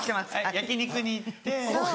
焼き肉に行って。